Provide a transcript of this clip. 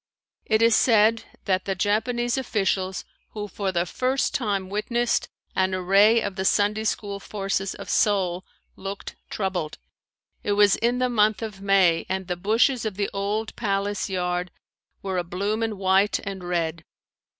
It is said that the Japanese officials who for the first time witnessed an array of the Sunday school forces of Seoul looked troubled. It was in the month of May and the bushes of the old palace yard were abloom in white and red.